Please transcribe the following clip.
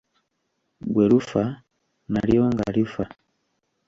Bwe lufa, nalyo nga lifa.